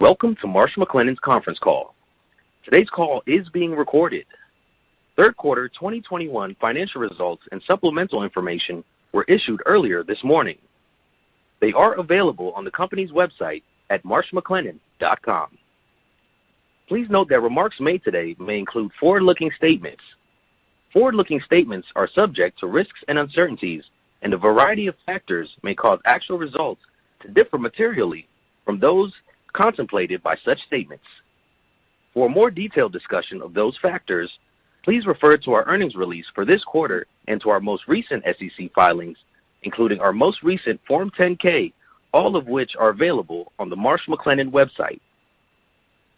Welcome to Marsh McLennan's conference call. Today's call is being recorded. Third quarter 2021 financial results and supplemental information were issued earlier this morning. They are available on the company's website at marshmclennan.com. Please note that remarks made today may include forward-looking statements. Forward-looking statements are subject to risks and uncertainties, and a variety of factors may cause actual results to differ materially from those contemplated by such statements. For a more detailed discussion of those factors, please refer to our earnings release for this quarter and to our most recent SEC filings, including our most recent Form 10-K, all of which are available on the Marsh McLennan website.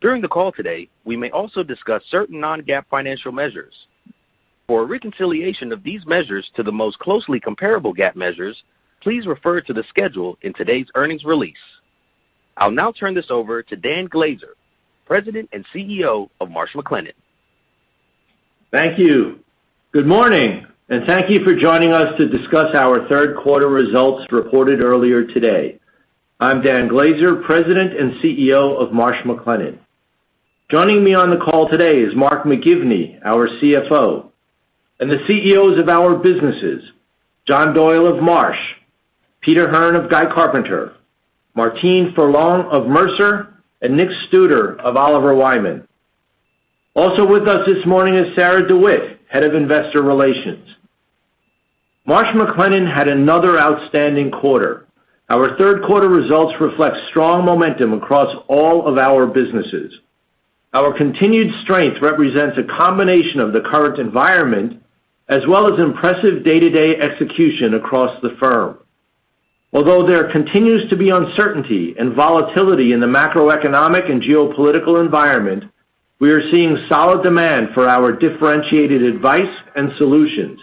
During the call today, we may also discuss certain non-GAAP financial measures. For a reconciliation of these measures to the most closely comparable GAAP measures, please refer to the schedule in today's earnings release. I'll now turn this over to Dan Glaser, President and CEO of Marsh McLennan. Thank you. Good morning, and thank you for joining us to discuss our third quarter results reported earlier today. I'm Dan Glaser, President and CEO of Marsh McLennan. Joining me on the call today is Mark McGivney, our CFO, and the CEOs of our businesses, John Doyle of Marsh, Peter Hearn of Guy Carpenter, Martine Ferland of Mercer, and Nick Studer of Oliver Wyman. Also with us this morning is Sarah DeWitt, Head of Investor Relations. Marsh McLennan had another outstanding quarter. Our third quarter results reflect strong momentum across all of our businesses. Our continued strength represents a combination of the current environment as well as impressive day-to-day execution across the firm. Although there continues to be uncertainty and volatility in the macroeconomic and geopolitical environment, we are seeing solid demand for our differentiated advice and solutions.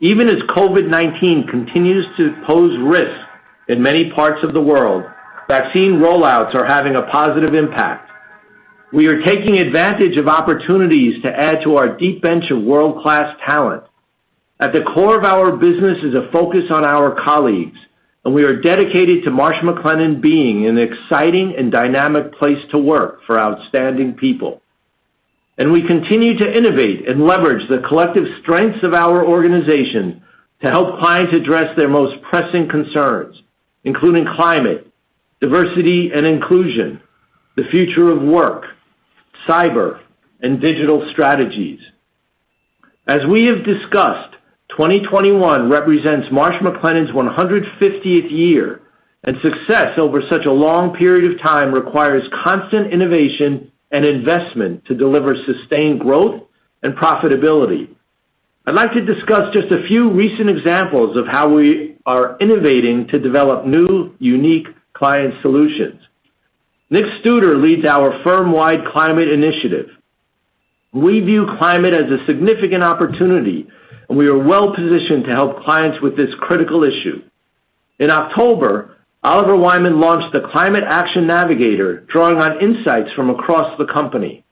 Even as COVID-19 continues to pose risks in many parts of the world, vaccine rollouts are having a positive impact. We are taking advantage of opportunities to add to our deep bench of world-class talent. At the core of our business is a focus on our colleagues, and we are dedicated to Marsh McLennan being an exciting and dynamic place to work for outstanding people. We continue to innovate and leverage the collective strengths of our organization to help clients address their most pressing concerns, including climate, diversity and inclusion, the future of work, cyber, and digital strategies. As we have discussed, 2021 represents Marsh McLennan's 150th year, and success over such a long period of time requires constant innovation and investment to deliver sustained growth and profitability. I'd like to discuss just a few recent examples of how we are innovating to develop new, unique client solutions. Nick Studer leads our firm-wide climate initiative. We view climate as a significant opportunity, and we are well-positioned to help clients with this critical issue. In October, Oliver Wyman launched the Climate Action Navigator, drawing on insights from across the company.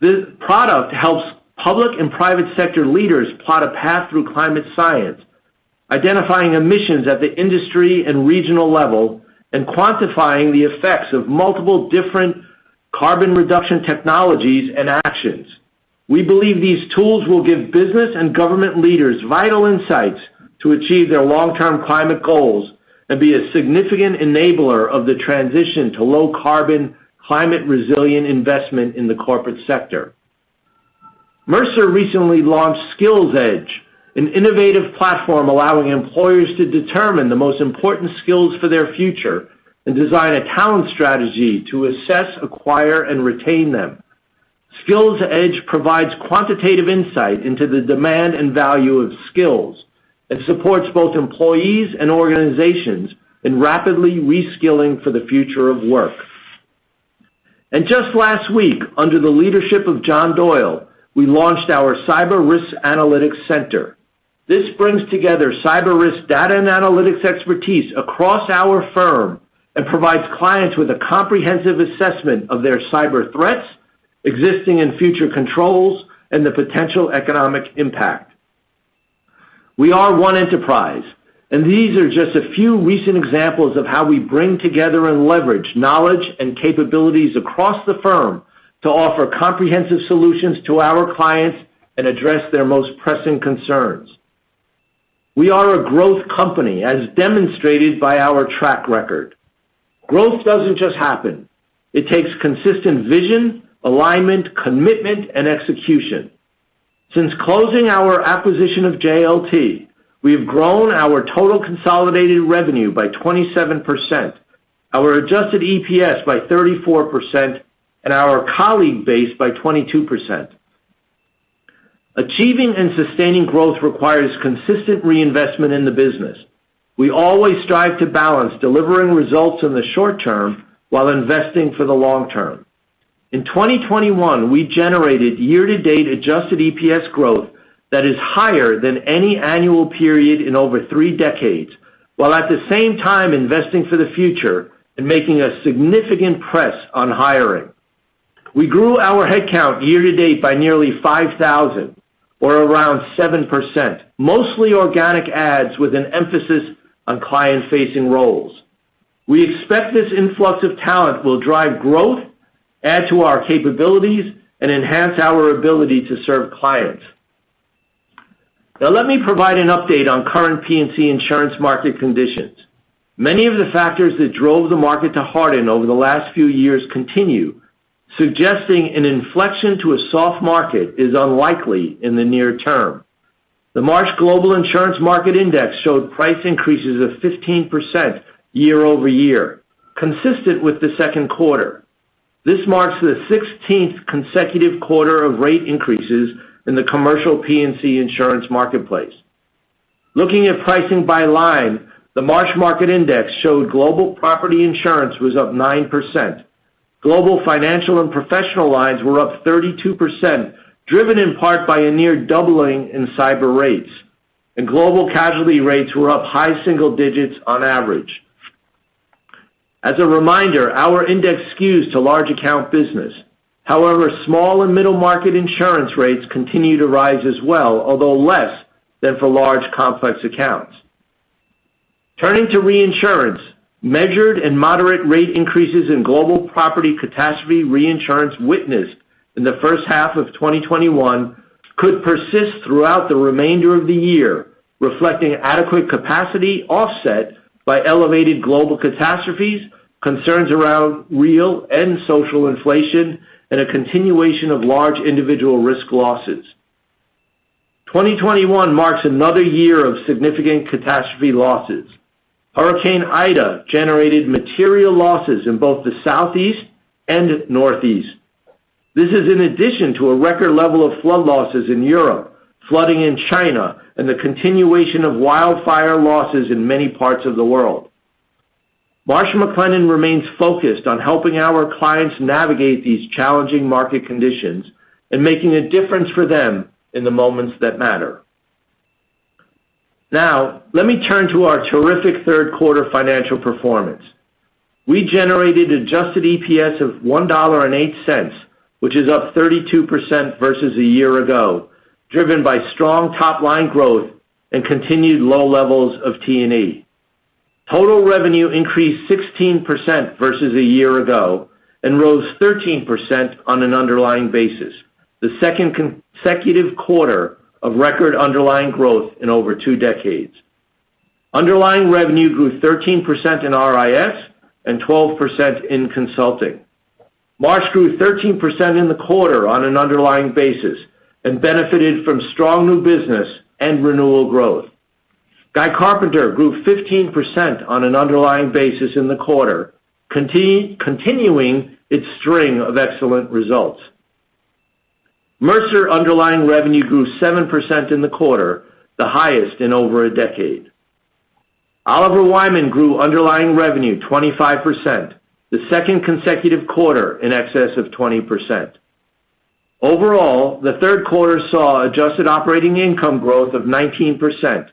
This product helps public and private sector leaders plot a path through climate science, identifying emissions at the industry and regional level, and quantifying the effects of multiple different carbon reduction technologies and actions. We believe these tools will give business and government leaders vital insights to achieve their long-term climate goals and be a significant enabler of the transition to low carbon, climate resilient investment in the corporate sector. Mercer recently launched Skills Edge, an innovative platform allowing employers to determine the most important skills for their future and design a talent strategy to assess, acquire, and retain them. Skills Edge provides quantitative insight into the demand and value of skills and supports both employees and organizations in rapidly reskilling for the future of work. Just last week, under the leadership of John Doyle, we launched our Cyber Risk Analytics Center. This brings together cyber risk data and analytics expertise across our firm and provides clients with a comprehensive assessment of their cyber threats, existing and future controls, and the potential economic impact. We are one enterprise, and these are just a few recent examples of how we bring together and leverage knowledge and capabilities across the firm to offer comprehensive solutions to our clients and address their most pressing concerns. We are a growth company, as demonstrated by our track record. Growth doesn't just happen. It takes consistent vision, alignment, commitment, and execution. Since closing our acquisition of JLT, we have grown our total consolidated revenue by 27%, our adjusted EPS by 34%, and our colleague base by 22%. Achieving and sustaining growth requires consistent reinvestment in the business. We always strive to balance delivering results in the short term while investing for the long term. In 2021, we generated year-to-date adjusted EPS growth that is higher than any annual period in over three decades, while at the same time investing for the future and making a significant press on hiring. We grew our headcount year-to-date by nearly 5,000, or around 7%, mostly organic adds with an emphasis on client-facing roles. We expect this influx of talent will drive growth, add to our capabilities, and enhance our ability to serve clients. Now let me provide an update on current P&C insurance market conditions. Many of the factors that drove the market to harden over the last few years continue, suggesting an inflection to a soft market is unlikely in the near term. The Marsh Global Insurance Market Index showed price increases of 15% year-over-year, consistent with the second quarter. This marks the 16th consecutive quarter of rate increases in the commercial P&C insurance marketplace. Looking at pricing by line, the Marsh Market Index showed global property insurance was up 9%. Global financial and professional lines were up 32%, driven in part by a near doubling in cyber rates, and global casualty rates were up high single digits on average. As a reminder, our index skews to large account business. However, small and middle-market insurance rates continue to rise as well, although less than for large, complex accounts. Turning to reinsurance, measured and moderate rate increases in global property catastrophe reinsurance witnessed in the first half of 2021 could persist throughout the remainder of the year, reflecting adequate capacity offset by elevated global catastrophes, concerns around real and social inflation, and a continuation of large individual risk losses. 2021 marks another year of significant catastrophe losses. Hurricane Ida generated material losses in both the Southeast and Northeast. This is in addition to a record level of flood losses in Europe, flooding in China, and the continuation of wildfire losses in many parts of the world. Marsh McLennan remains focused on helping our clients navigate these challenging market conditions and making a difference for them in the moments that matter. Now, let me turn to our terrific third quarter financial performance. We generated adjusted EPS of $1.08, which is up 32% versus a year-ago, driven by strong top-line growth and continued low levels of T&E. Total revenue increased 16% versus a year-ago and rose 13% on an underlying basis, the second consecutive quarter of record underlying growth in over two decades. Underlying revenue grew 13% in RIS and 12% in Consulting. Marsh grew 13% in the quarter on an underlying basis and benefited from strong new business and renewal growth. Guy Carpenter grew 15% on an underlying basis in the quarter, continuing its string of excellent results. Mercer underlying revenue grew 7% in the quarter, the highest in over a decade. Oliver Wyman grew underlying revenue 25%, the second consecutive quarter in excess of 20%. Overall, the third quarter saw adjusted operating income growth of 19%,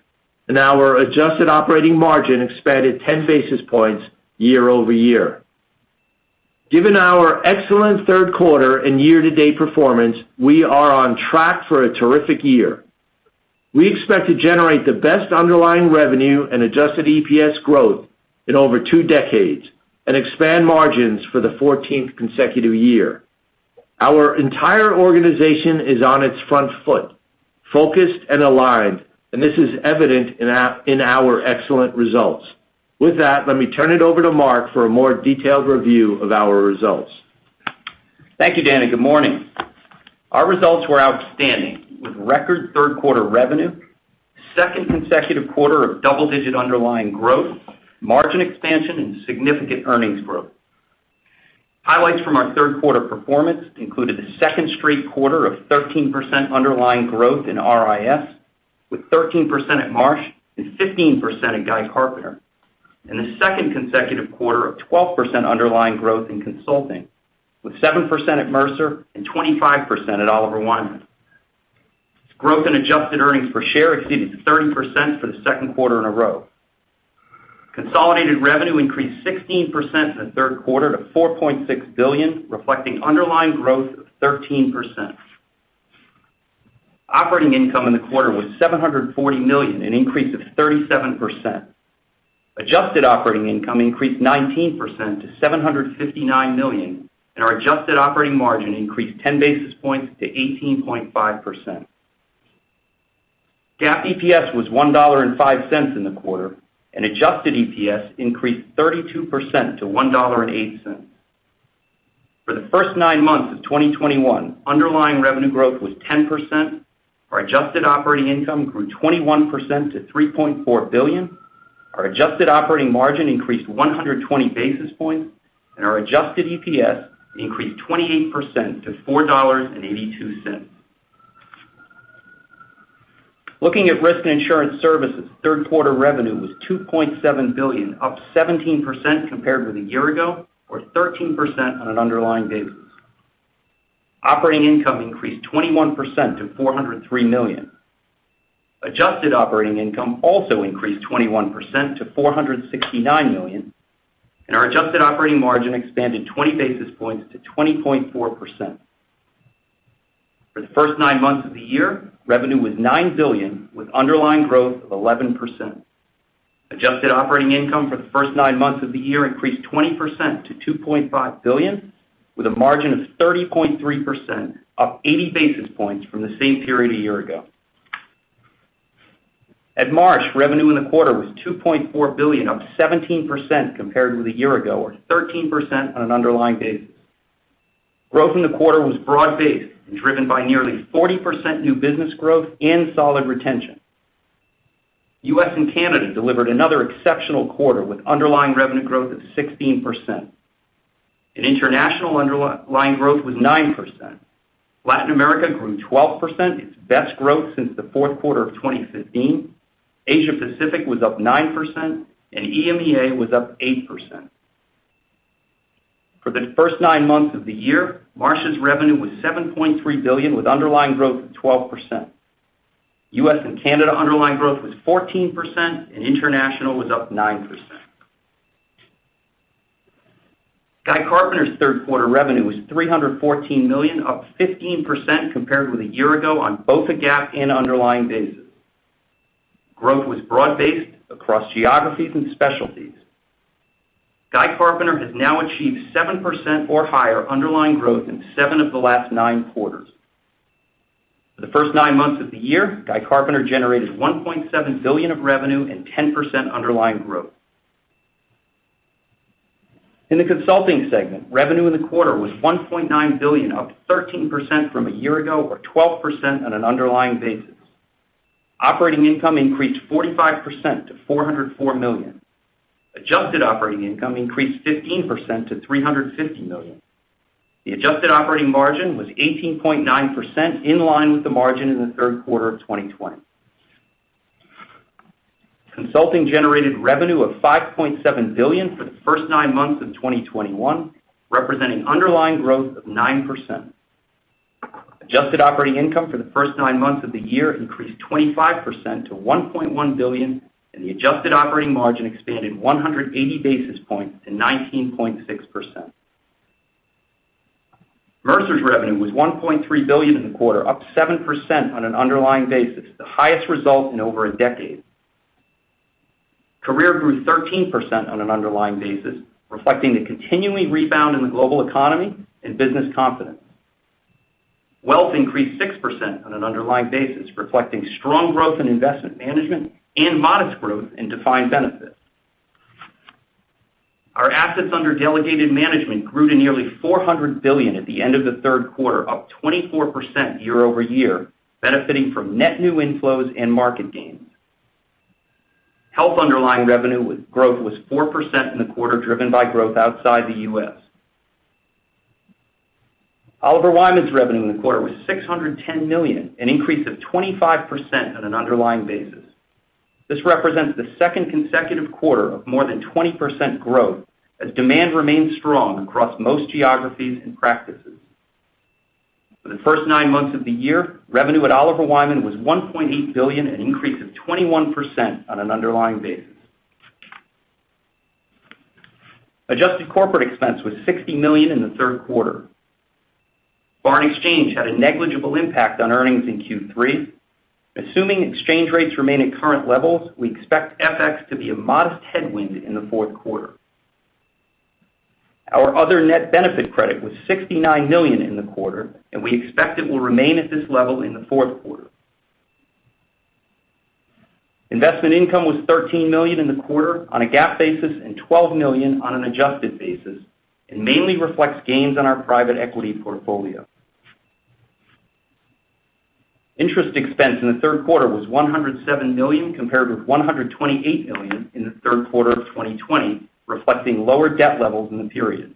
and our adjusted operating margin expanded 10 basis points year-over-year. Given our excellent third quarter and year-to-date performance, we are on track for a terrific year. We expect to generate the best underlying revenue and adjusted EPS growth in over two decades and expand margins for the 14th consecutive year. Our entire organization is on its front foot, focused and aligned, and this is evident in our excellent results. With that, let me turn it over to Mark for a more detailed review of our results. Thank you, Dan. Good morning. Our results were outstanding with record third quarter revenue, second consecutive quarter of double-digit underlying growth, margin expansion, and significant earnings growth. Highlights from our third quarter performance included the second straight quarter of 13% underlying growth in RIS with 13% at Marsh and 15% at Guy Carpenter, and the second consecutive quarter of 12% underlying growth in Consulting with 7% at Mercer and 25% at Oliver Wyman. Growth in adjusted earnings per share exceeded 30% for the second quarter in a row. Consolidated revenue increased 16% in the third quarter to $4.6 billion, reflecting underlying growth of 13%. Operating income in the quarter was $740 million, an increase of 37%. Adjusted operating income increased 19% to $759 million, and our adjusted operating margin increased 10 basis points to 18.5%. GAAP EPS was $1.05 in the quarter, and adjusted EPS increased 32% to $1.08. For the first nine months of 2021, underlying revenue growth was 10%, our adjusted operating income grew 21% to $3.4 billion, our adjusted operating margin increased 120 basis points, and our adjusted EPS increased 28% to $4.82. Looking at Risk & Insurance Services, third quarter revenue was $2.7 billion, up 17% compared with a year ago or 13% on an underlying basis. Operating income increased 21% to $403 million. Adjusted operating income also increased 21% to $469 million, and our adjusted operating margin expanded 20 basis points to 20.4%. For the first nine months of the year, revenue was $9 billion with underlying growth of 11%. Adjusted operating income for the first nine months of the year increased 20% to $2.5 billion with a margin of 30.3%, up 80 basis points from the same period a year ago. At Marsh, revenue in the quarter was $2.4 billion, up 17% compared with a year ago, or 13% on an underlying basis. Growth in the quarter was broad-based and driven by nearly 40% new business growth and solid retention. U.S. and Canada delivered another exceptional quarter with underlying revenue growth of 16%. In international, underlying growth was 9%. Latin America grew 12%, its best growth since the fourth quarter of 2015. Asia Pacific was up 9%, and EMEA was up 8%. For the first nine months of the year, Marsh's revenue was $7.3 billion with underlying growth of 12%. U.S. and Canada underlying growth was 14%, and international was up 9%. Guy Carpenter's third quarter revenue was $314 million, up 15% compared with a year ago on both a GAAP and underlying basis. Growth was broad-based across geographies and specialties. Guy Carpenter has now achieved 7% or higher underlying growth in seven of the last nine quarters. For the first nine months of the year, Guy Carpenter generated $1.7 billion of revenue and 10% underlying growth. In the Consulting segment, revenue in the quarter was $1.9 billion, up 13% from a year ago, or 12% on an underlying basis. Operating income increased 45% to $404 million. Adjusted operating income increased 15% to $350 million. The adjusted operating margin was 18.9%, in line with the margin in the third quarter of 2020. Consulting generated revenue of $5.7 billion for the first nine months of 2021, representing underlying growth of 9%. Adjusted operating income for the first nine months of the year increased 25% to $1.1 billion, and the adjusted operating margin expanded 180 basis points to 19.6%. Mercer's revenue was $1.3 billion in the quarter, up 7% on an underlying basis, the highest result in over a decade. Career grew 13% on an underlying basis, reflecting the continuing rebound in the global economy and business confidence. Wealth increased 6% on an underlying basis, reflecting strong growth in investment management and modest growth in defined benefits. Our assets under delegated management grew to nearly $400 billion at the end of the third quarter, up 24% year-over-year, benefiting from net new inflows and market gains. Health underlying revenue growth was 4% in the quarter, driven by growth outside the U.S. Oliver Wyman's revenue in the quarter was $610 million, an increase of 25% on an underlying basis. This represents the second consecutive quarter of more than 20% growth as demand remains strong across most geographies and practices. For the first nine months of the year, revenue at Oliver Wyman was $1.8 billion, an increase of 21% on an underlying basis. Adjusted corporate expense was $60 million in the third quarter. Foreign exchange had a negligible impact on earnings in Q3. Assuming exchange rates remain at current levels, we expect FX to be a modest headwind in the fourth quarter. Our other net benefit credit was $69 million in the quarter, and we expect it will remain at this level in the fourth quarter. Investment income was $13 million in the quarter on a GAAP basis and $12 million on an adjusted basis, and mainly reflects gains on our private equity portfolio. Interest expense in the third quarter was $107 million compared with $128 million in the third quarter of 2020, reflecting lower debt levels in the period.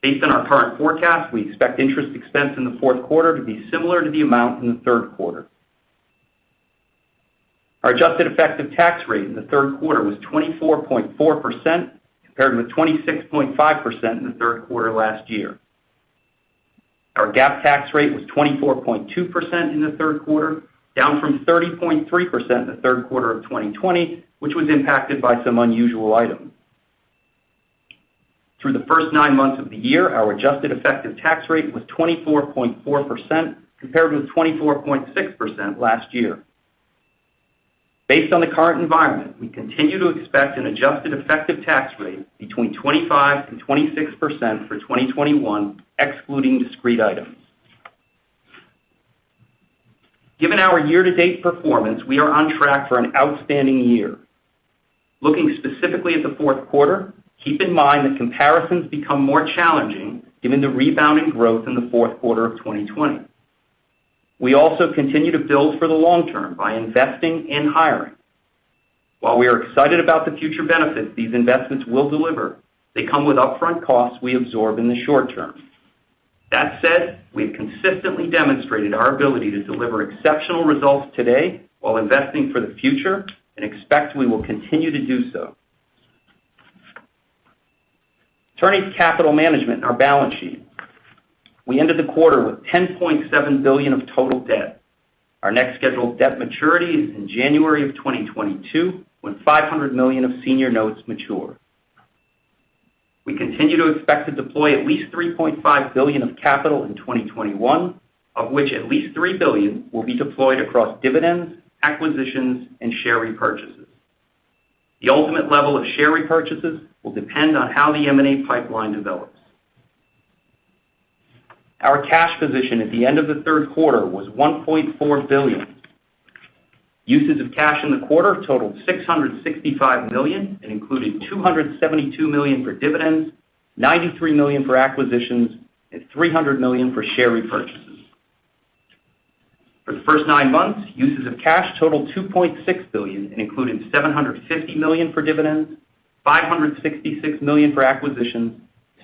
Based on our current forecast, we expect interest expense in the fourth quarter to be similar to the amount in the third quarter. Our adjusted effective tax rate in the third quarter was 24.4%, compared with 26.5% in the third quarter last year. Our GAAP tax rate was 24.2% in the third quarter, down from 30.3% in the third quarter of 2020, which was impacted by some unusual items. Through the first nine months of the year, our adjusted effective tax rate was 24.4%, compared with 24.6% last year. Based on the current environment, we continue to expect an adjusted effective tax rate between 25% and 26% for 2021, excluding discrete items. Given our year-to-date performance, we are on track for an outstanding year. Looking specifically at the fourth quarter, keep in mind that comparisons become more challenging given the rebounding growth in the fourth quarter of 2020. We also continue to build for the long term by investing and hiring. While we are excited about the future benefits these investments will deliver, they come with upfront costs we absorb in the short term. That said, we have consistently demonstrated our ability to deliver exceptional results today while investing for the future and expect we will continue to do so. Turning to capital management and our balance sheet. We ended the quarter with $10.7 billion of total debt. Our next scheduled debt maturity is in January 2022, when $500 million of senior notes mature. We continue to expect to deploy at least $3.5 billion of capital in 2021, of which at least $3 billion will be deployed across dividends, acquisitions, and share repurchases. The ultimate level of share repurchases will depend on how the M&A pipeline develops. Our cash position at the end of the third quarter was $1.4 billion. Uses of cash in the quarter totaled $665 million and included $272 million for dividends, $93 million for acquisitions, and $300 million for share repurchases. For the first nine months, uses of cash totaled $2.6 billion, and included $750 million for dividends, $566 million for acquisitions,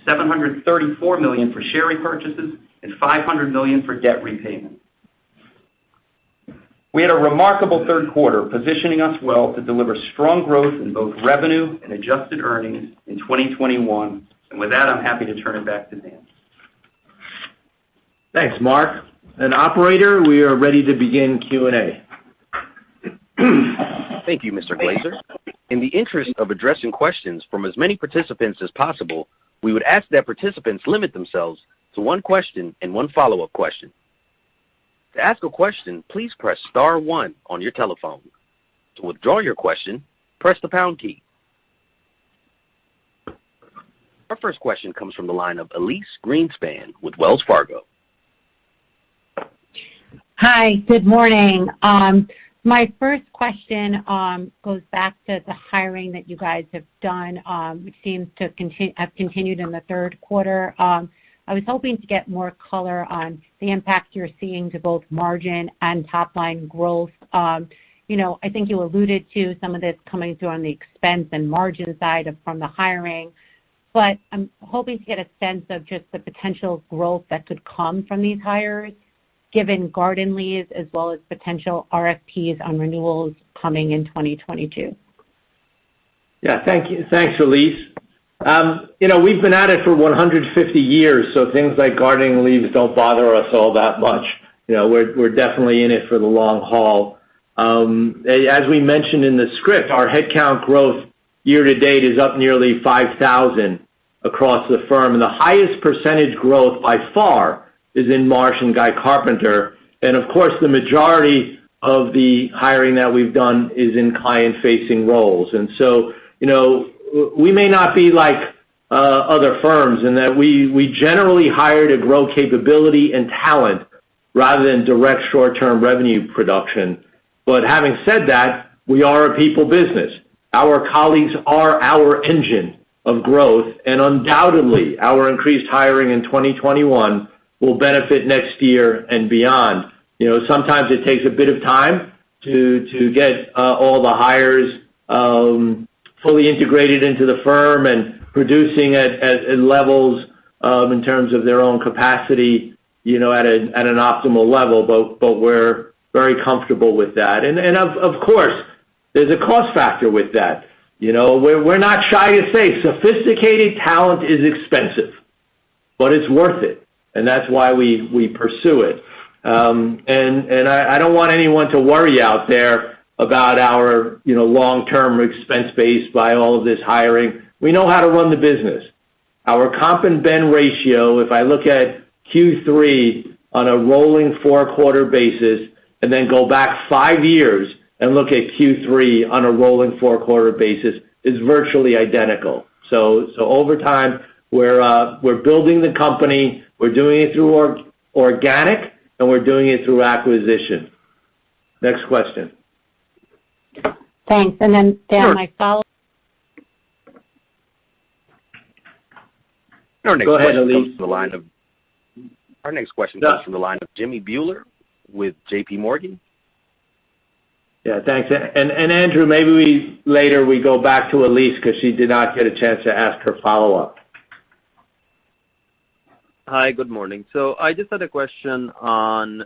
$734 million for share repurchases, and $500 million for debt repayment. We had a remarkable third quarter, positioning us well to deliver strong growth in both revenue and adjusted earnings in 2021. With that, I'm happy to turn it back to Dan. Thanks, Mark. Operator, we are ready to begin Q&A. Thank you, Mr. Glaser. In the interest of addressing questions from as many participants as possible, we would ask that participants limit themselves to one question and one follow-up question. To ask a question, please press star one on your telephone. To withdraw your question, press the pound key. Our first question comes from the line of Elyse Greenspan with Wells Fargo. Hi, good morning. My first question goes back to the hiring that you guys have done, which seems to have continued in the third quarter. I was hoping to get more color on the impact you're seeing to both margin and top-line growth. I think you alluded to some of this coming through on the expense and margin side from the hiring. I'm hoping to get a sense of just the potential growth that could come from these hires, given garden leaves as well as potential RFPs on renewals coming in 2022. Yeah. Thanks, Elyse. We've been at it for 150 years, so things like garden leave don't bother us all that much. We're definitely in it for the long haul. As we mentioned in the script, our headcount growth year-to-date is up nearly 5,000 across the firm, the highest percentage growth by far is in Marsh and Guy Carpenter. Of course, the majority of the hiring that we've done is in client-facing roles. So, we may not be like other firms in that we generally hire to grow capability and talent rather than direct short-term revenue production. Having said that, we are a people business. Our colleagues are our engine of growth, undoubtedly, our increased hiring in 2021 will benefit next year and beyond. Sometimes it takes a bit of time to get all the hires fully integrated into the firm and producing at levels in terms of their own capacity at an optimal level. We're very comfortable with that. Of course, there's a cost factor with that. We're not shy to say sophisticated talent is expensive, but it's worth it, and that's why we pursue it. I don't want anyone to worry out there about our long-term expense base by all of this hiring. We know how to run the business. Our comp and ben ratio, if I look at Q3 on a rolling four-quarter basis and then go back five years and look at Q3 on a rolling four-quarter basis, is virtually identical. Over time, we're building the company, we're doing it through organic, and we're doing it through acquisition. Next question. Thanks. And then Dan, my follow— Sure. Go ahead, Elyse. Our next question comes from the line of Jimmy Bhullar with JPMorgan. Yeah, thanks. Andrew, maybe later we go back to Elyse because she did not get a chance to ask her follow-up. Hi, good morning. I just had a question on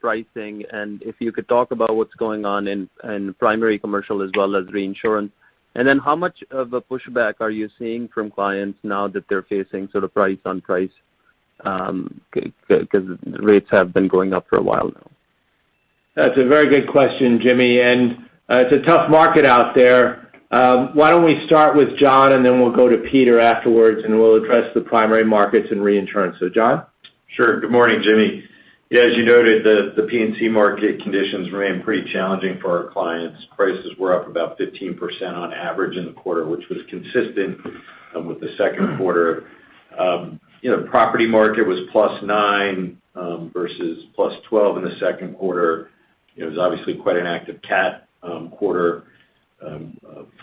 pricing, and if you could talk about what's going on in primary commercial as well as reinsurance. How much of a pushback are you seeing from clients now that they're facing sort of price on price because rates have been going up for a while now? That's a very good question, Jimmy. It's a tough market out there. Why don't we start with John? We'll go to Peter afterwards. We'll address the primary markets and reinsurance. John? Sure. Good morning, Jimmy. Yeah, as you noted, the P&C market conditions remain pretty challenging for our clients. Prices were up about 15% on average in the quarter, which was consistent with the second quarter. Property market was +9% versus +12% in the second quarter. It was obviously quite an active cat quarter.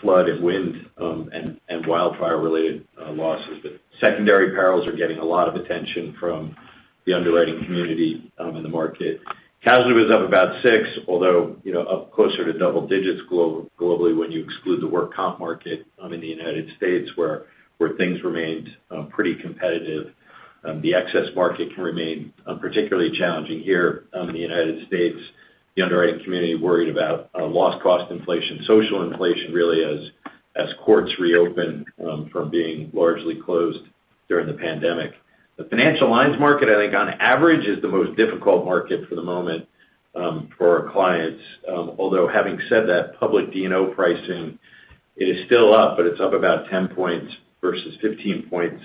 Flood and wind, and wildfire related losses. Secondary perils are getting a lot of attention from the underwriting community in the market. Casualty was up about 6%, although up closer to double-digits globally when you exclude the workers' comp market in the United States, where things remained pretty competitive. The excess market can remain particularly challenging here in the United States. The underwriting community worried about loss cost inflation. Social inflation really, as courts reopen from being largely closed during the pandemic. The financial lines market, I think on average is the most difficult market for the moment for our clients. Although having said that, public D&O pricing is still up, but it's up about 10 points versus 15 points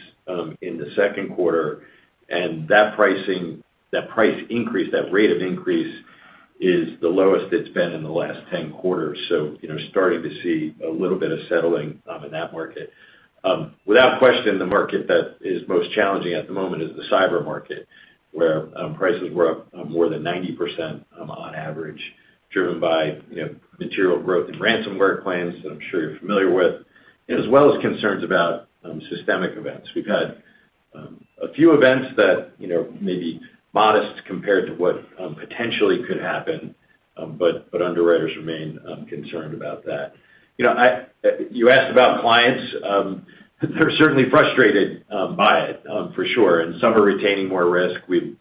in the second quarter. That price increase, that rate of increase is the lowest it's been in the last 10 quarters. Starting to see a little bit of settling in that market. Without question, the market that is most challenging at the moment is the cyber market, where prices were up more than 90% on average, driven by material growth in ransomware claims that I'm sure you're familiar with, as well as concerns about systemic events. We've had a few events that may be modest compared to what potentially could happen, but underwriters remain concerned about that. You asked about clients. They're certainly frustrated by it, for sure, and some are retaining more risk. We've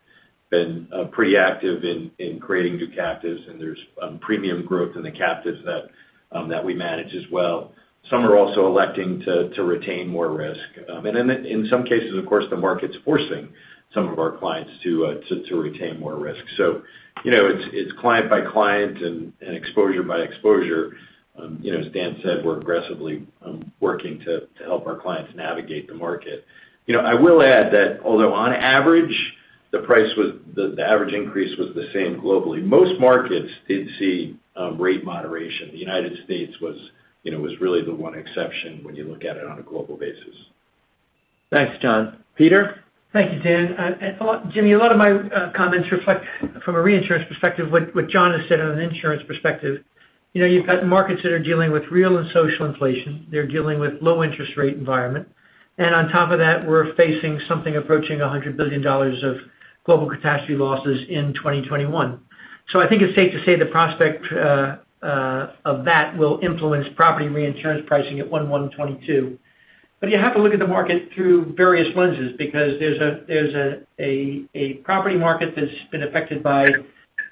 been pretty active in creating new captives, and there's premium growth in the captives that we manage as well. Some are also electing to retain more risk. In some cases, of course, the market's forcing some of our clients to retain more risk. It's client by client and exposure by exposure. As Dan Glaser said, we're aggressively working to help our clients navigate the market. I will add that although on average, the average increase was the same globally, most markets did see rate moderation. The United States was really the one exception when you look at it on a global basis. Thanks, John. Peter? Thank you, Dan. Jimmy, a lot of my comments reflect from a reinsurance perspective what John has said on an insurance perspective. You've got markets that are dealing with real and social inflation. They're dealing with low interest rate environment. On top of that, we're facing something approaching $100 billion of global catastrophe losses in 2021. I think it's safe to say the prospect of that will influence property reinsurance pricing at 1/1/22. You have to look at the market through various lenses because there's a property market that's been affected by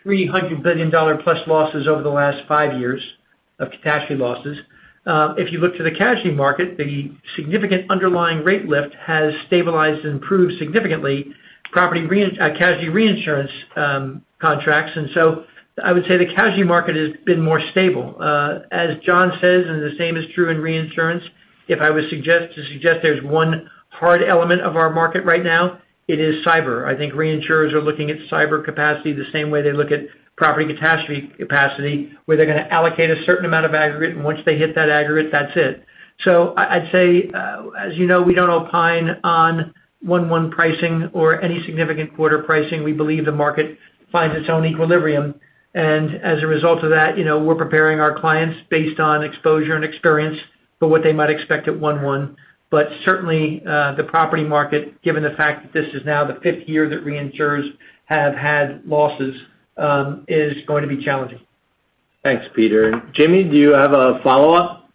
$300+ billion losses over the last five years of catastrophe losses. If you look to the casualty market, the significant underlying rate lift has stabilized and improved significantly casualty reinsurance contracts. I would say the casualty market has been more stable. As John says, and the same is true in reinsurance, if I was to suggest there's one hard element of our market right now, it is cyber. I think reinsurers are looking at cyber capacity the same way they look at property catastrophe capacity, where they're going to allocate a certain amount of aggregate, and once they hit that aggregate, that's it. I'd say, as you know, we don't opine on 1/1 pricing or any significant quarter pricing. We believe the market finds its own equilibrium. As a result of that, we're preparing our clients based on exposure and experience for what they might expect at 1/1. Certainly, the property market, given the fact that this is now the 5th year that reinsurers have had losses, is going to be challenging. Thanks, Peter. Jimmy, do you have a follow-up?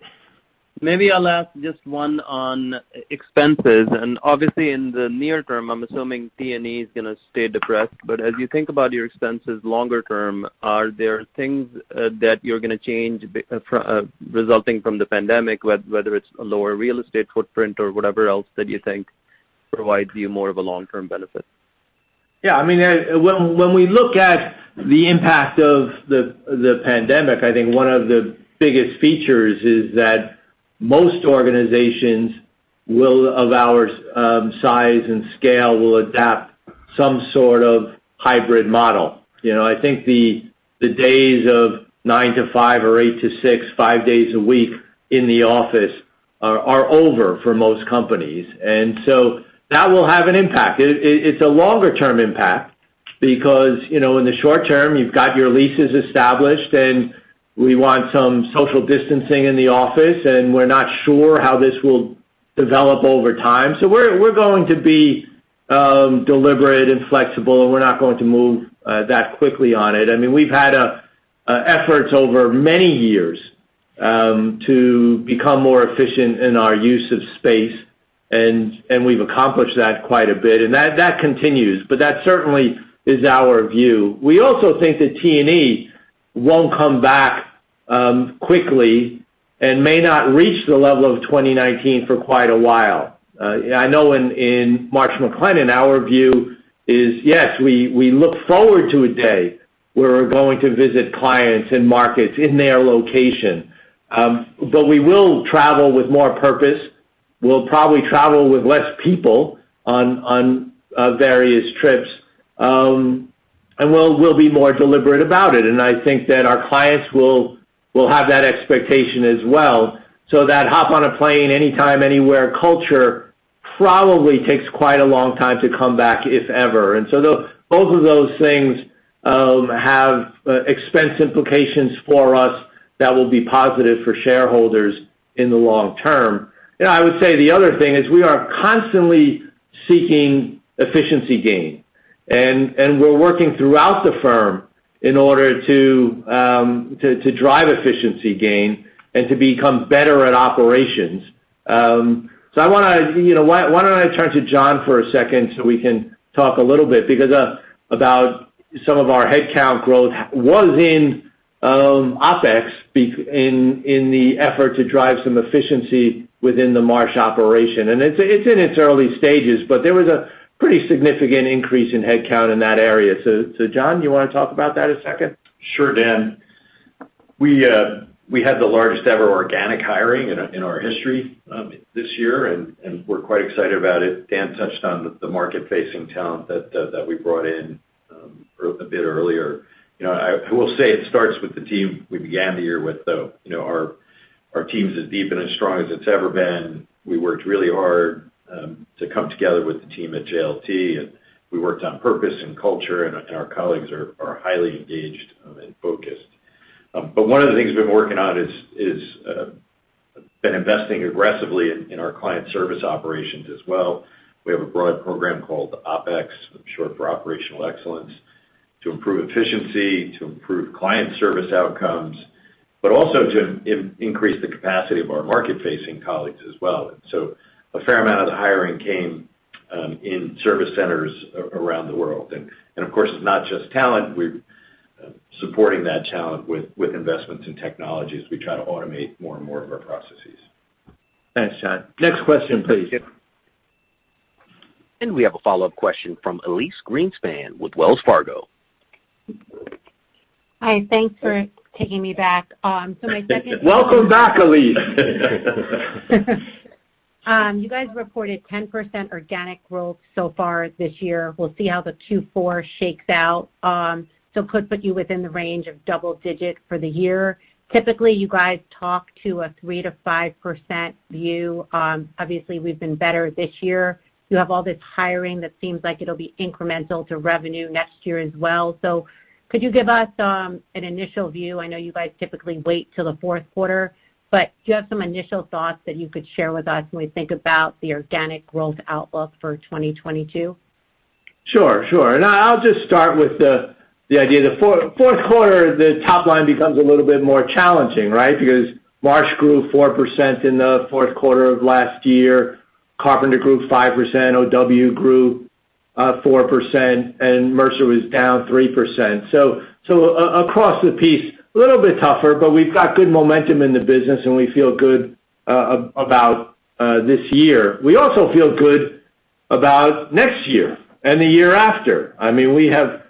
Maybe I'll ask just one on expenses, and obviously in the near term, I'm assuming T&E is going to stay depressed, but as you think about your expenses longer term, are there things that you're going to change resulting from the pandemic, whether it's a lower real estate footprint or whatever else that you think provides you more of a long-term benefit? Yeah, when we look at the impact of the pandemic, I think one of the biggest features is that most organizations of our size and scale will adapt some sort of hybrid model. I think the days of nine to five or eight to six, five days a week in the office are over for most companies. That will have an impact. It's a longer-term impact because in the short term, you've got your leases established, and we want some social distancing in the office, and we're not sure how this will develop over time. We're going to be deliberate and flexible, and we're not going to move that quickly on it. We've had efforts over many years to become more efficient in our use of space, and we've accomplished that quite a bit, and that continues. That certainly is our view. We also think that T&E won't come back quickly and may not reach the level of 2019 for quite a while. I know in Marsh McLennan, our view is, yes, we look forward to a day where we're going to visit clients and markets in their location. We will travel with more purpose. We'll probably travel with less people on various trips. We'll be more deliberate about it, and I think that our clients will have that expectation as well. That hop on a plane anytime, anywhere culture probably takes quite a long time to come back, if ever. Both of those things have expense implications for us that will be positive for shareholders in the long term. I would say the other thing is we are constantly seeking efficiency gain, and we're working throughout the firm in order to drive efficiency gain and to become better at operations. Why don't I turn to John for a second so we can talk a little bit, because about some of our headcount growth was in OpEx in the effort to drive some efficiency within the Marsh operation. It's in its early stages, but there was a pretty significant increase in headcount in that area. John, you want to talk about that a second? Sure, Dan. We had the largest-ever organic hiring in our history this year. We're quite excited about it. Dan touched on the market-facing talent that we brought in a bit earlier. I will say it starts with the team we began the year with, though. Our team's as deep and as strong as it's ever been. We worked really hard to come together with the team at JLT. We worked on purpose and culture. Our colleagues are highly engaged and focused. One of the things we've been working on is, been investing aggressively in our client service operations as well. We have a broad program called OpEx, short for operational excellence, to improve efficiency, to improve client service outcomes, but also to increase the capacity of our market-facing colleagues as well. A fair amount of the hiring came in service centers around the world. Of course, it's not just talent. We're supporting that talent with investments in technology as we try to automate more and more of our processes. Thanks, John. Next question, please. We have a follow-up question from Elyse Greenspan with Wells Fargo. Hi. Thanks for taking me back. Welcome back, Elyse. You guys reported 10% organic growth so far this year. We'll see how the Q4 shakes out. Could put you within the range of double-digit for the year. Typically, you guys talk to a 3%-5% view. Obviously, we've been better this year. You have all this hiring that seems like it'll be incremental to revenue next year as well. Could you give us an initial view? I know you guys typically wait till the fourth quarter, but do you have some initial thoughts that you could share with us when we think about the organic growth outlook for 2022? Sure. I'll just start with the idea. The fourth quarter, the top line becomes a little bit more challenging, right? Marsh grew 4% in the fourth quarter of last year. Carpenter grew 5%, OW grew 4%, and Mercer was down 3%. Across the piece, a little bit tougher, but we've got good momentum in the business, and we feel good about this year. We also feel good about next year and the year after. We have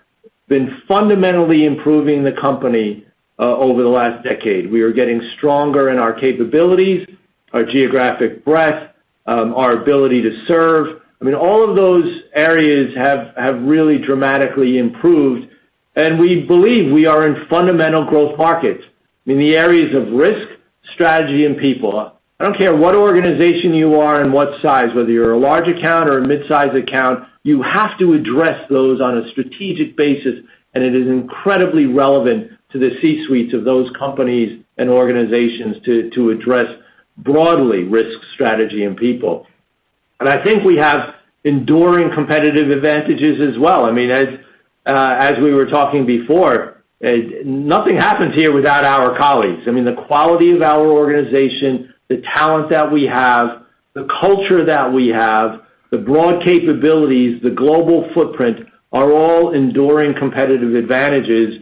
been fundamentally improving the company over the last decade. We are getting stronger in our capabilities, our geographic breadth, our ability to serve. All of those areas have really dramatically improved, and we believe we are in fundamental growth markets in the areas of risk, strategy, and people. I don't care what organization you are and what size. Whether you're a large account or a mid-size account, you have to address those on a strategic basis, and it is incredibly relevant to the C-suites of those companies and organizations to address broadly risk, strategy, and people. I think we have enduring competitive advantages as well. As we were talking before, nothing happens here without our colleagues. The quality of our organization, the talent that we have, the culture that we have, the broad capabilities, the global footprint, are all enduring competitive advantages.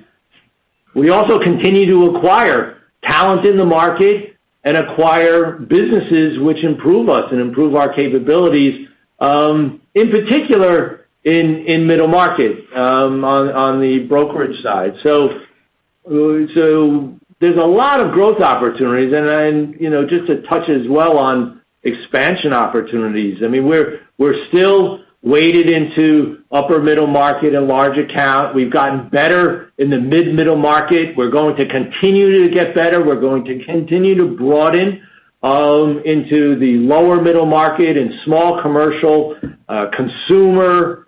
We also continue to acquire talent in the market and acquire businesses which improve us and improve our capabilities, in particular in middle market on the brokerage side. There's a lot of growth opportunities. Just to touch as well on expansion opportunities, we're still weighted into upper middle market and large account. We've gotten better in the mid-middle market. We're going to continue to get better. We're going to continue to broaden into the lower middle market and small commercial, consumer.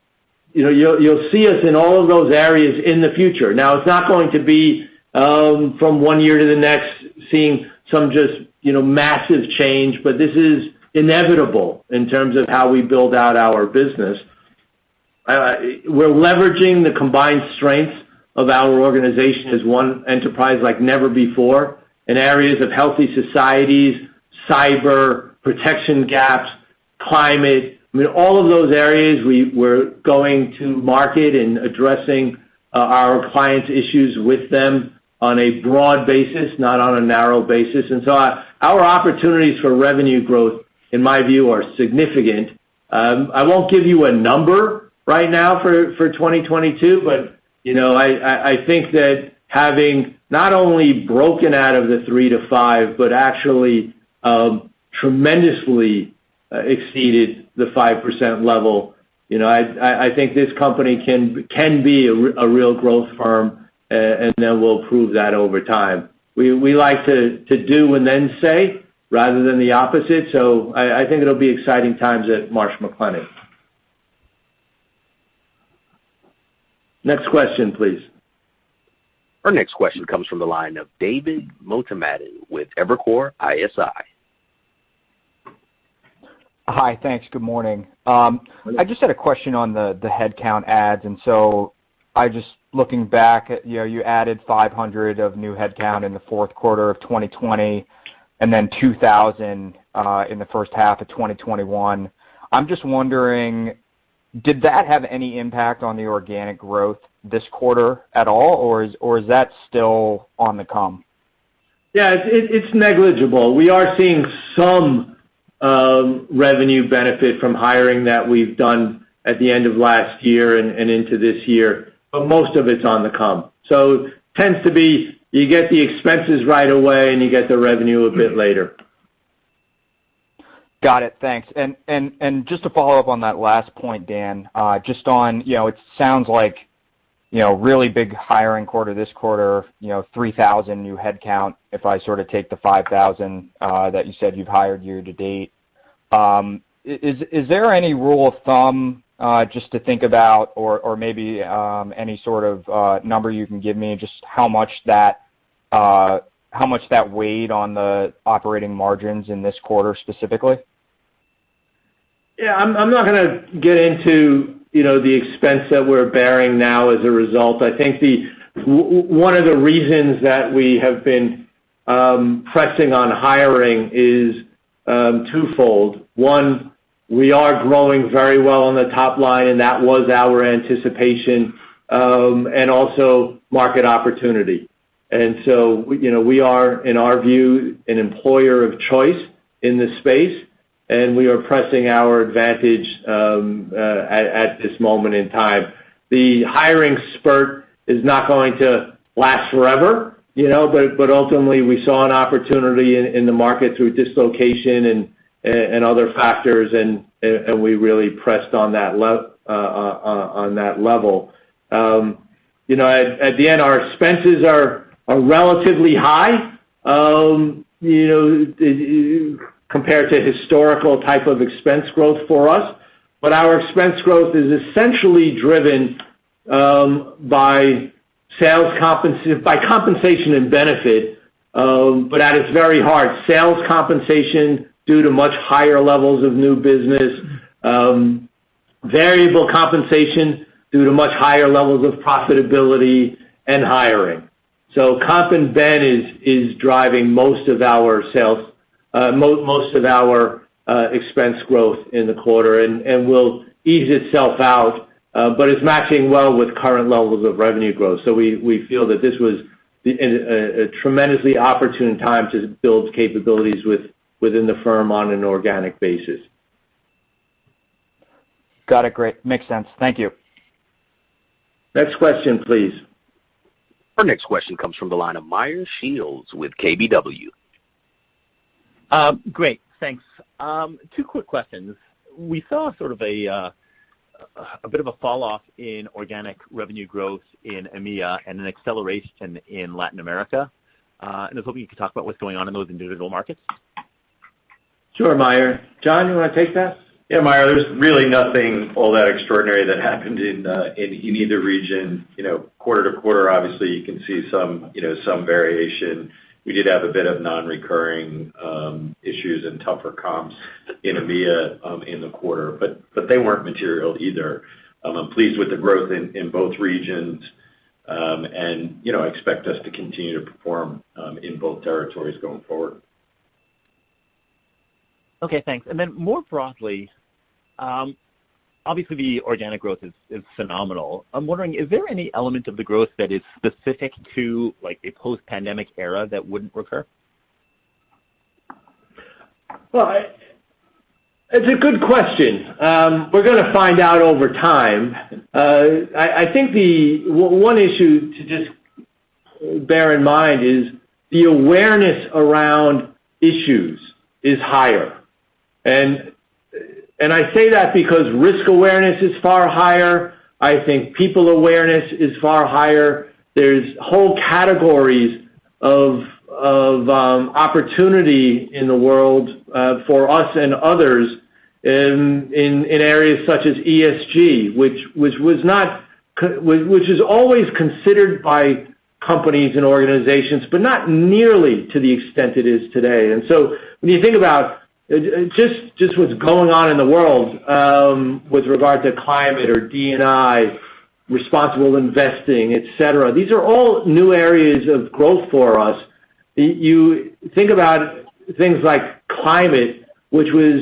You'll see us in all of those areas in the future. Now, it's not going to be from one year to the next, seeing some just massive change, but this is inevitable in terms of how we build out our business. We're leveraging the combined strengths of our organization as one enterprise like never before in areas of healthy societies, cyber protection gaps, climate. All of those areas we're going to market and addressing our clients' issues with them on a broad basis, not on a narrow basis. Our opportunities for revenue growth, in my view, are significant. I won't give you a number right now for 2022, but I think that having not only broken out of the 3%-5%, but actually tremendously exceeded the 5% level, I think this company can be a real growth firm. We'll prove that over time. We like to do and then say rather than the opposite. I think it'll be exciting times at Marsh McLennan. Next question, please. Our next question comes from the line of David Motemaden with Evercore ISI. Hi. Thanks. Good morning. Good morning. I just had a question on the headcount adds. Looking back at you added 500 of new headcount in the fourth quarter of 2020, and then 2,000 in the first half of 2021. I'm just wondering, did that have any impact on the organic growth this quarter at all, or is that still on the come? Yeah. It's negligible. We are seeing some revenue benefit from hiring that we've done at the end of last year and into this year, but most of it's on the come. Tends to be you get the expenses right away, and you get the revenue a bit later. Got it. Thanks. Just to follow up on that last point, Dan, just on, it sounds like really big hiring quarter this quarter, 3,000 new headcount, if I sort of take the 5,000 that you said you've hired year-to-date. Is there any rule of thumb just to think about or maybe any sort of number you can give me, just how much that weighed on the operating margins in this quarter specifically? Yeah. I'm not going to get into the expense that we're bearing now as a result. I think one of the reasons that we have been pressing on hiring is twofold. One, we are growing very well on the top line, and that was our anticipation, and also market opportunity. We are, in our view, an employer of choice in this space, and we are pressing our advantage at this moment in time. The hiring spurt is not going to last forever, but ultimately, we saw an opportunity in the market through dislocation and other factors, and we really pressed on that level. At the end, our expenses are relatively high compared to historical type of expense growth for us. Our expense growth is essentially driven by compensation and benefits, but at its very heart, sales compensation due to much higher levels of new business, variable compensation due to much higher levels of profitability and hiring. Comp and ben is driving most of our expense growth in the quarter and will ease itself out, but it's matching well with current levels of revenue growth. We feel that this was a tremendously opportune time to build capabilities within the firm on an organic basis. Got it. Great. Makes sense. Thank you. Next question, please. Our next question comes from the line of Meyer Shields with KBW. Great. Thanks. Two quick questions. We saw sort of a bit of a fall off in organic revenue growth in EMEA and an acceleration in Latin America. I was hoping you could talk about what's going on in those individual markets. Sure, Meyer. John, you want to take that? Yeah, Meyer, there's really nothing all that extraordinary that happened in either region. Quarter to quarter, obviously, you can see some variation. We did have a bit of non-recurring issues and tougher comps in EMEA in the quarter, but they weren't material either. I'm pleased with the growth in both regions, and expect us to continue to perform in both territories going forward. Okay, thanks. More broadly, obviously the organic growth is phenomenal. I'm wondering, is there any element of the growth that is specific to a post-pandemic era that wouldn't recur? Well, it's a good question. We're going to find out over time. I think the one issue to just bear in mind is the awareness around issues is higher. I say that because risk awareness is far higher. I think people awareness is far higher. There's whole categories of opportunity in the world for us and others in areas such as ESG, which is always considered by companies and organizations, but not nearly to the extent it is today. When you think about just what's going on in the world with regard to climate or D&I, responsible investing, et cetera, these are all new areas of growth for us. You think about things like climate, which was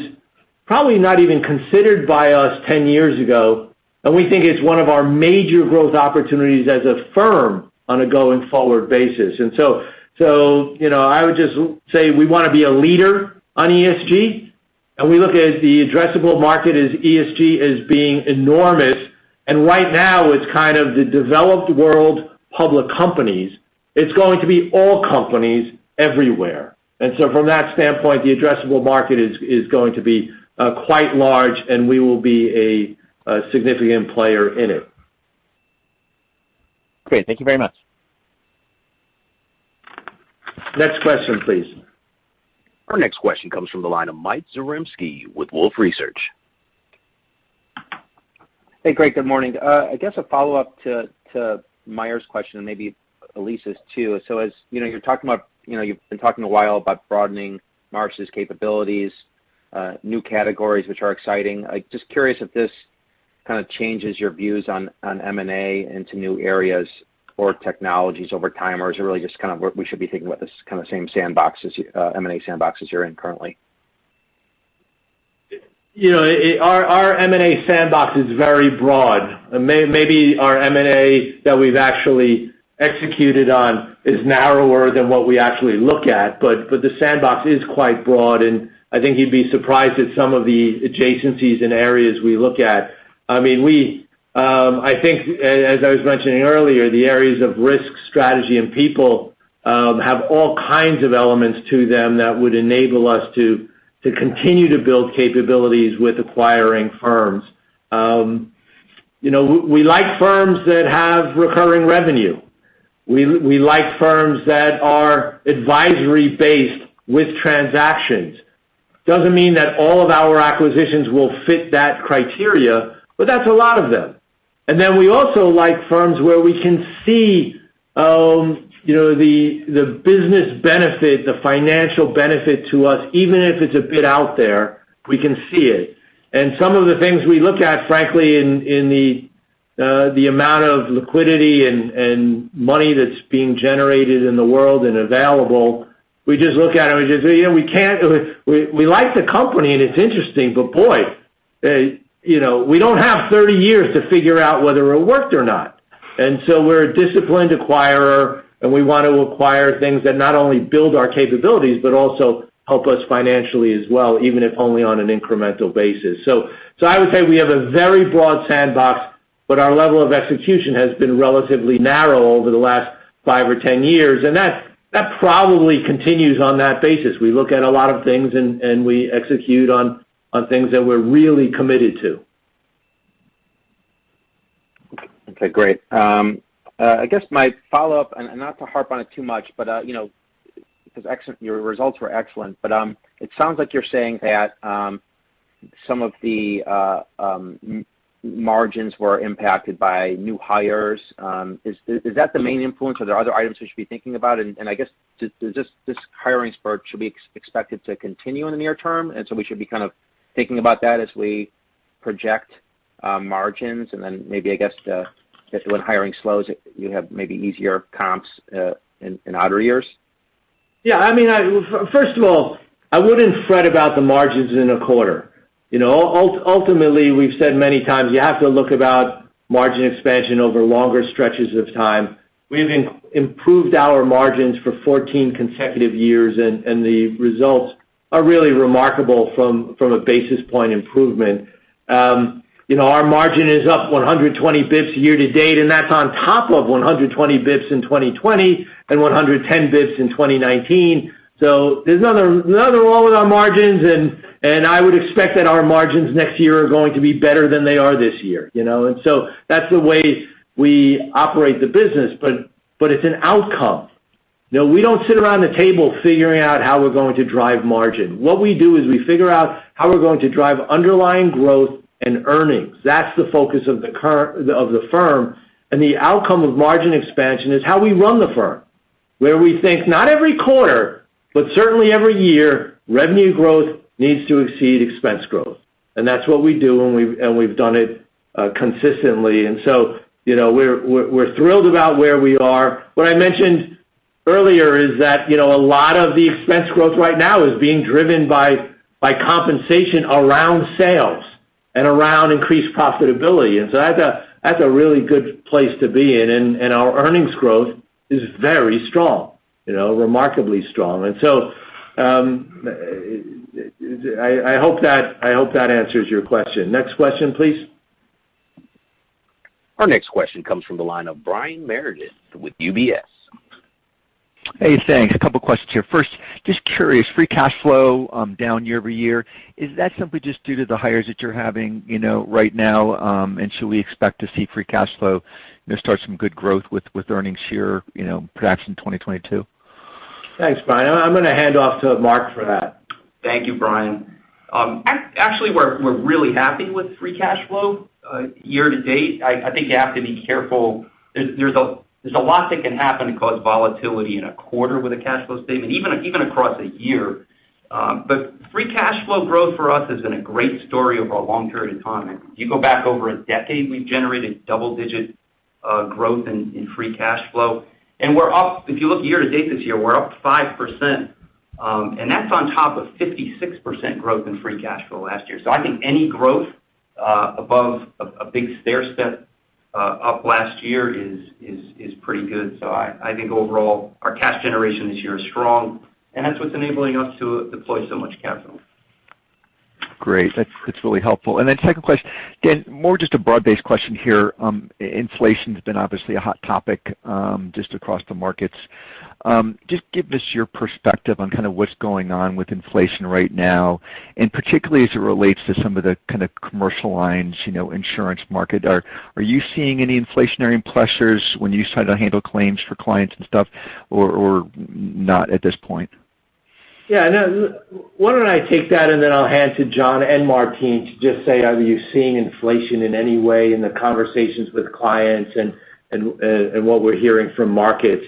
probably not even considered by us 10 years ago, and we think it's one of our major growth opportunities as a firm on a going forward basis. I would just say we want to be a leader on ESG, and we look at the addressable market as ESG as being enormous. Right now it's kind of the developed world public companies. It's going to be all companies everywhere. From that standpoint, the addressable market is going to be quite large, and we will be a significant player in it. Great. Thank you very much. Next question, please. Our next question comes from the line of Mike Zaremski with Wolfe Research. Hey, great. Good morning. I guess a follow-up to Meyer's question and maybe Elyse's too. You've been talking a while about broadening Marsh's capabilities, new categories, which are exciting. Just curious if this kind of changes your views on M&A into new areas or technologies over time, or is it really just kind of what we should be thinking about this kind of same M&A sandboxes you're in currently? Our M&A sandbox is very broad. Maybe our M&A that we've actually executed on is narrower than what we actually look at, but the sandbox is quite broad, and I think you'd be surprised at some of the adjacencies and areas we look at. I think, as I was mentioning earlier, the areas of risk, strategy, and people have all kinds of elements to them that would enable us to continue to build capabilities with acquiring firms. We like firms that have recurring revenue. We like firms that are advisory based with transactions. Doesn't mean that all of our acquisitions will fit that criteria, but that's a lot of them. Then we also like firms where we can see the business benefit, the financial benefit to us, even if it's a bit out there, we can see it. Some of the things we look at, frankly, in the amount of liquidity and money that's being generated in the world and available, we just look at it and we just say, "We like the company and it's interesting, but boy, we don't have 30 years to figure out whether it worked or not." We're a disciplined acquirer, and we want to acquire things that not only build our capabilities but also help us financially as well, even if only on an incremental basis. I would say we have a very broad sandbox, but our level of execution has been relatively narrow over the last five or 10 years, and that probably continues on that basis. We look at a lot of things, and we execute on things that we're really committed to. Okay, great. I guess my follow-up, not to harp on it too much, because your results were excellent, it sounds like you're saying that some of the margins were impacted by new hires. Is that the main influence or are there other items we should be thinking about? I guess, does this hiring spurt should be expected to continue in the near term, we should be kind of thinking about that as we project margins, maybe I guess if when hiring slows, you have maybe easier comps in outer years? First of all, I wouldn't fret about the margins in a quarter. Ultimately, we've said many times you have to look about margin expansion over longer stretches of time. We've improved our margins for 14 consecutive years, and the results are really remarkable from a basis point improvement. Our margin is up 120 basis points year-to-date, and that's on top of 120 basis points in 2020 and 110 basis points in 2019. There's nothing wrong with our margins, and I would expect that our margins next year are going to be better than they are this year. That's the way we operate the business, but it's an outcome. We don't sit around the table figuring out how we're going to drive margin. What we do is we figure out how we're going to drive underlying growth and earnings. That's the focus of the firm, and the outcome of margin expansion is how we run the firm, where we think not every quarter, but certainly every year, revenue growth needs to exceed expense growth. That's what we do, and we've done it consistently. We're thrilled about where we are. What I mentioned earlier is that a lot of the expense growth right now is being driven by compensation around sales and around increased profitability, and so that's a really good place to be in, and our earnings growth is very strong, remarkably strong. I hope that answers your question. Next question, please. Our next question comes from the line of Brian Meredith with UBS. Hey, thanks. A couple questions here. First, just curious, free cash flow down year-over-year. Is that simply just due to the hires that you're having right now, and should we expect to see free cash flow start some good growth with earnings here perhaps in 2022? Thanks, Brian. I'm going to hand off to Mark for that. Thank you, Brian. Actually, we're really happy with free cash flow year-to-date. I think you have to be careful. There's a lot that can happen to cause volatility in a quarter with a cash flow statement, even across a year. Free cash flow growth for us has been a great story over a long period of time. If you go back over a decade, we've generated double-digit growth in free cash flow. If you look year-to-date this year, we're up 5%, and that's on top of 56% growth in free cash flow last year. I think any growth above a big stair step up last year is pretty good. I think overall, our cash generation this year is strong, and that's what's enabling us to deploy so much capital. Great. That's really helpful. Second question, again, more just a broad-based question here. Inflation's been obviously a hot topic just across the markets. Just give us your perspective on kind of what's going on with inflation right now, and particularly as it relates to some of the kind of commercial lines, insurance market. Are you seeing any inflationary pressures when you try to handle claims for clients and stuff, or not at this point? Yeah, no. Why don't I take that and then I'll hand to John and Martine to just say, are you seeing inflation in any way in the conversations with clients and what we're hearing from markets?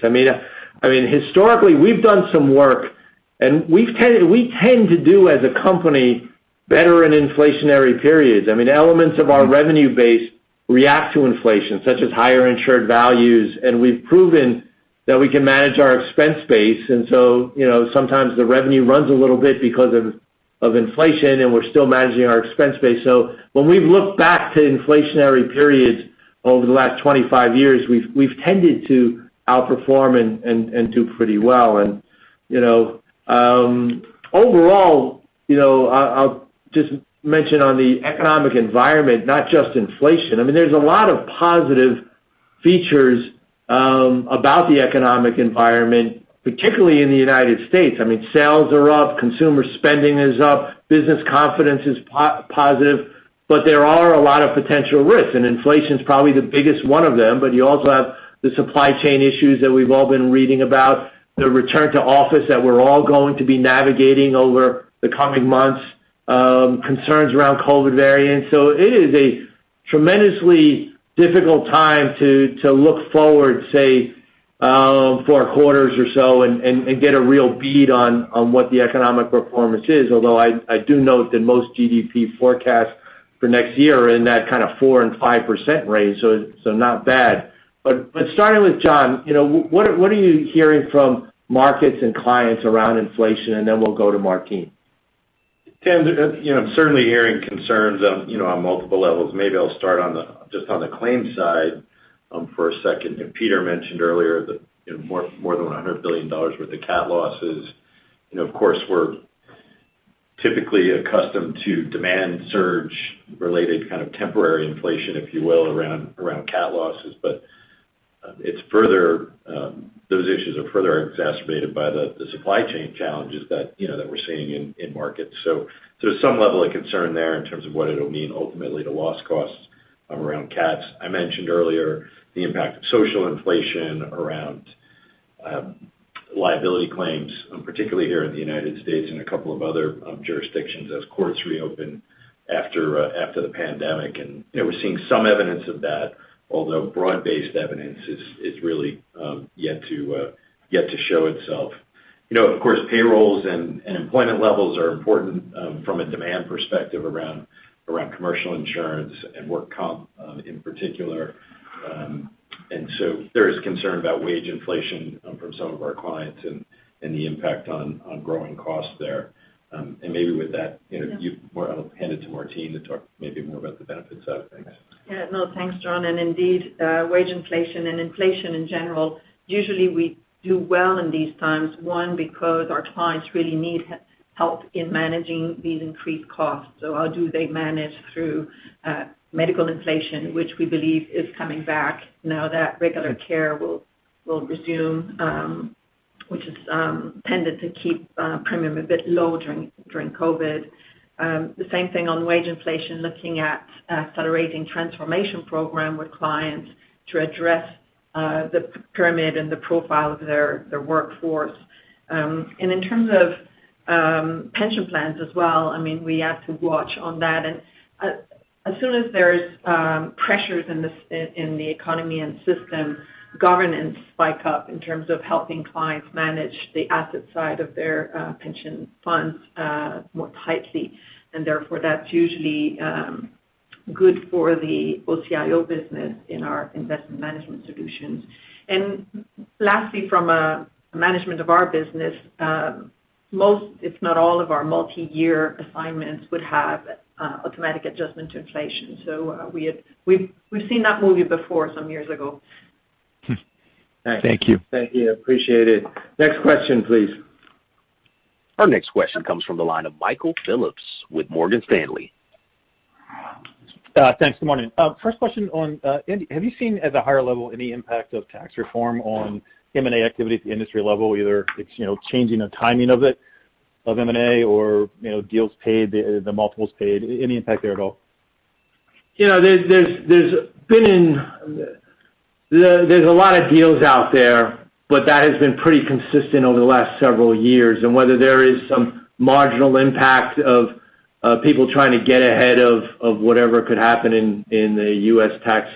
Historically, we've done some work. We tend to do, as a company, better in inflationary periods. Elements of our revenue base react to inflation, such as higher insured values, and we've proven that we can manage our expense base. Sometimes the revenue runs a little bit because of inflation, and we're still managing our expense base. When we've looked back to inflationary periods over the last 25 years, we've tended to outperform and do pretty well. Overall, I'll just mention on the economic environment, not just inflation, there's a lot of positive features about the economic environment, particularly in the United States. Sales are up, consumer spending is up, business confidence is positive, but there are a lot of potential risks, and inflation is probably the biggest one of them. You also have the supply chain issues that we've all been reading about, the return to office that we're all going to be navigating over the coming months, concerns around COVID variants. It is a tremendously difficult time to look forward, say, four quarters or so, and get a real bead on what the economic performance is, although I do note that most GDP forecasts for next year are in that kind of 4% and 5% range, not bad. Starting with John, what are you hearing from markets and clients around inflation? Then we'll go to Martine. Tim, I'm certainly hearing concerns on multiple levels. Maybe I'll start just on the claims side for a second. Peter mentioned earlier more than $100 billion worth of cat losses. Of course, we're typically accustomed to demand surge related kind of temporary inflation, if you will, around cat losses. Those issues are further exacerbated by the supply chain challenges that we're seeing in markets. There's some level of concern there in terms of what it'll mean ultimately to loss costs around cats. I mentioned earlier the impact of social inflation around liability claims, particularly here in the United States and a couple of other jurisdictions as courts reopen after the pandemic. We're seeing some evidence of that, although broad-based evidence is really yet to show itself. Of course, payrolls and employment levels are important from a demand perspective around commercial insurance and workers' comp, in particular. There is concern about wage inflation from some of our clients and the impact on growing costs there. Maybe with that, I'll hand it to Martine to talk maybe more about the benefits side of things. Yeah. No, thanks, John. Indeed, wage inflation and inflation in general, usually we do well in these times, one, because our clients really need help in managing these increased costs. How do they manage through medical inflation, which we believe is coming back now that regular care will resume, which has tended to keep premium a bit low during COVID-19. The same thing on wage inflation, looking at accelerating transformation program with clients to address the pyramid and the profile of their workforce. In terms of pension plans as well, we have to watch on that. As soon as there is pressures in the economy and system, governance spike up in terms of helping clients manage the asset side of their pension funds more tightly. Therefore, that's usually good for the OCIO business in our investment management solutions. Lastly, from a management of our business, most, if not all of our multi-year assignments would have automatic adjustment to inflation. We've seen that movie before some years ago. Thank you. Appreciate it. Next question, please. Our next question comes from the line of Michael Phillips with Morgan Stanley. Thanks. Good morning. First question, Dan, have you seen at a higher level any impact of tax reform on M&A activity at the industry level, either it's changing the timing of it, of M&A or deals paid, the multiples paid? Any impact there at all? There's a lot of deals out there, but that has been pretty consistent over the last several years. Whether there is some marginal impact of people trying to get ahead of whatever could happen in the U.S. tax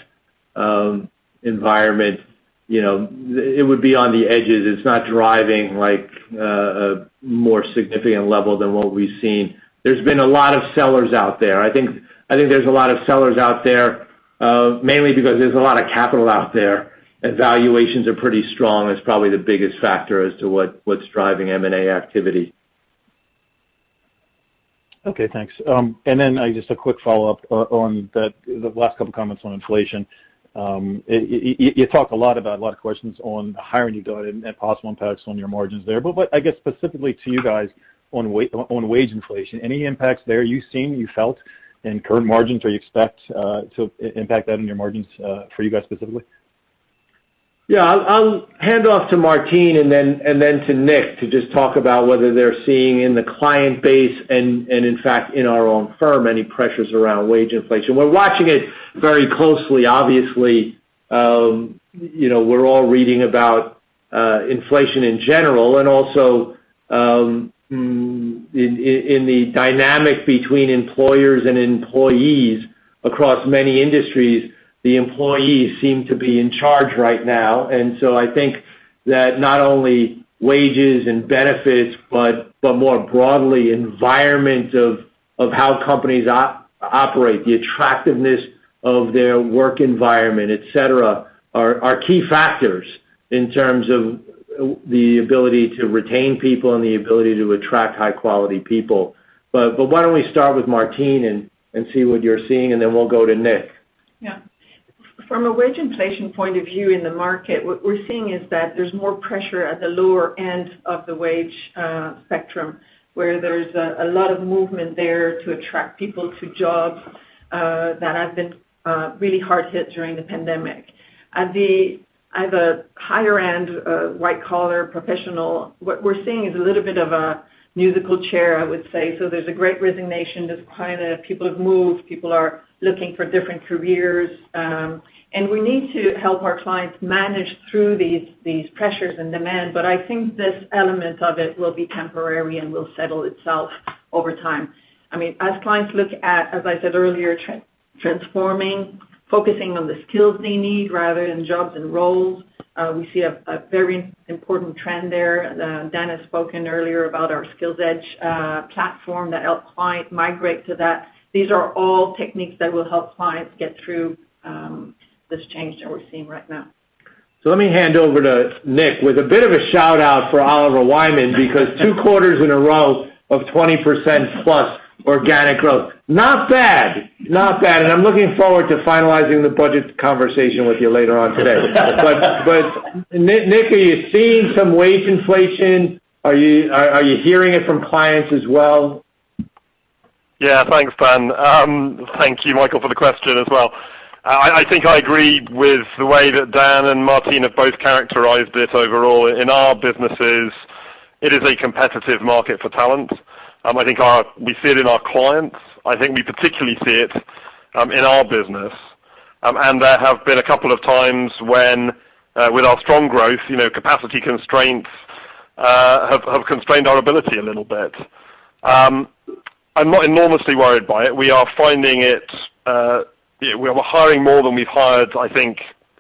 environment, it would be on the edges. It's not driving a more significant level than what we've seen. There's been a lot of sellers out there. I think there's a lot of sellers out there, mainly because there's a lot of capital out there, and valuations are pretty strong. That's probably the biggest factor as to what's driving M&A activity. Okay, thanks. Just a quick follow-up on the last couple of comments on inflation. You talk a lot about questions on hiring you've done and possible impacts on your margins there. I guess specifically to you guys on wage inflation, any impacts there you've seen, you felt in current margins or you expect to impact that on your margins for you guys specifically? Yeah. I'll hand off to Martine and then to Nick to just talk about whether they're seeing in the client base and in fact in our own firm, any pressures around wage inflation. We're watching it very closely, obviously. We're all reading about inflation in general, and also in the dynamic between employers and employees across many industries, the employees seem to be in charge right now. I think that not only wages and benefits, but more broadly, environment of how companies operate, the attractiveness of their work environment, et cetera, are key factors in terms of the ability to retain people and the ability to attract high quality people. Why don't we start with Martine and see what you're seeing, and then we'll go to Nick. Yeah. From a wage inflation point of view in the market, what we're seeing is that there's more pressure at the lower end of the wage spectrum, where there's a lot of movement there to attract people to jobs that have been really hard hit during the pandemic. At the higher end, white collar professional, what we're seeing is a little bit of a musical chair, I would say. There's a great resignation, there's kind of people have moved, people are looking for different careers. We need to help our clients manage through these pressures and demand. I think this element of it will be temporary and will settle itself over time. As clients look at, as I said earlier, transforming, focusing on the skills they need rather than jobs and roles, we see a very important trend there. Dan has spoken earlier about our Skills Edge platform that help client migrate to that. These are all techniques that will help clients get through this change that we're seeing right now. Let me hand over to Nick with a bit of a shout-out for Oliver Wyman, because two quarters in a row of 20%+ organic growth. Not bad. Not bad. I'm looking forward to finalizing the budget conversation with you later on today. Nick, are you seeing some wage inflation? Are you hearing it from clients as well? Thanks, Dan. Thank you, Michael, for the question as well. I think I agree with the way that Dan and Martine have both characterized it overall. In our businesses, it is a competitive market for talent. I think we see it in our clients. I think we particularly see it in our business. There have been a couple of times when, with our strong growth, capacity constraints have constrained our ability a little bit. I'm not enormously worried by it. We are hiring more than we've hired, I think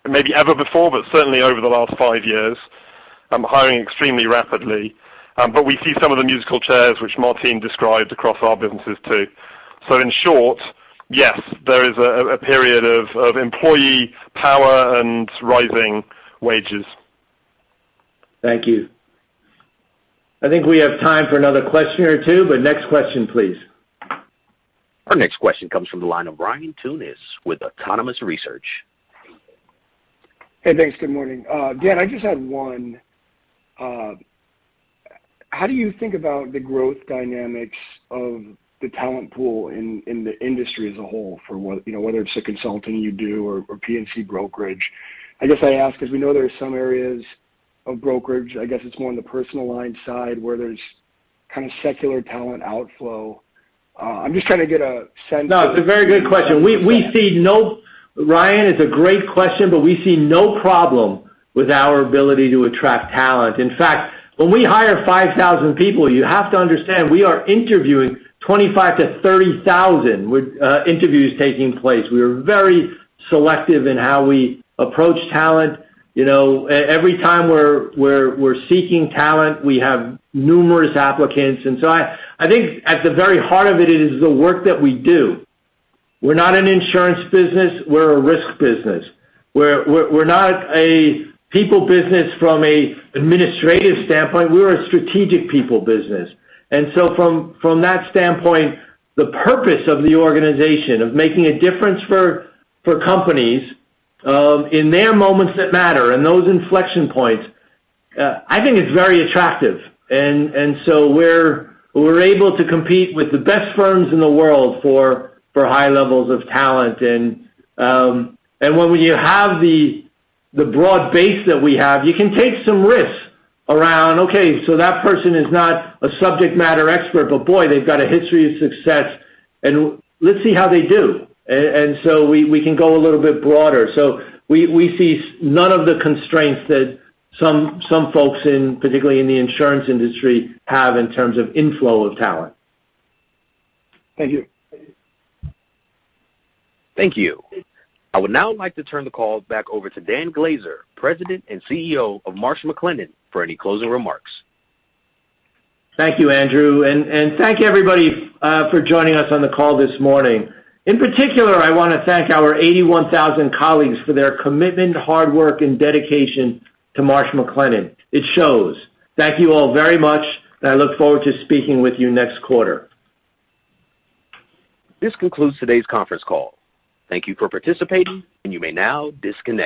maybe ever before, but certainly over the last five years. Hiring extremely rapidly. We see some of the musical chairs, which Martine described, across our businesses, too. In short, yes, there is a period of employee power and rising wages. Thank you. I think we have time for another question or two. Next question, please. Our next question comes from the line of Ryan Tunis with Autonomous Research. Hey, thanks. Good morning. Dan, I just had one. How do you think about the growth dynamics of the talent pool in the industry as a whole, for whether it's the Consulting you do or P&C brokerage? I guess I ask because we know there are some areas of brokerage, I guess it's more on the personal line side, where there's kind of secular talent outflow. It's a very good question. Ryan, it's a great question. We see no problem with our ability to attract talent. In fact, when we hire 5,000 people, you have to understand, we are interviewing 25,000-30,000 interviews taking place. We are very selective in how we approach talent. Every time we're seeking talent, we have numerous applicants. I think at the very heart of it is the work that we do. We're not an insurance business, we're a risk business. We're not a people business from an administrative standpoint, we're a strategic people business. From that standpoint, the purpose of the organization, of making a difference for companies in their moments that matter and those inflection points, I think it's very attractive. We're able to compete with the best firms in the world for high levels of talent. When you have the broad base that we have, you can take some risks around, okay, so that person is not a subject matter expert, but boy, they've got a history of success, and let's see how they do. We can go a little bit broader. We see none of the constraints that some folks, particularly in the insurance industry, have in terms of inflow of talent. Thank you. Thank you. I would now like to turn the call back over to Dan Glaser, President and CEO of Marsh McLennan, for any closing remarks. Thank you, Andrew. Thank you, everybody, for joining us on the call this morning. In particular, I want to thank our 81,000 colleagues for their commitment, hard work, and dedication to Marsh McLennan. It shows. Thank you all very much, and I look forward to speaking with you next quarter. This concludes today's conference call. Thank you for participating, and you may now disconnect.